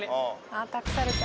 あっ託された。